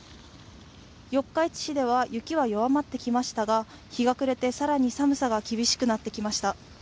四日市市では雪が弱まってきましたが日が暮れて更に寒さが厳しくなってきました。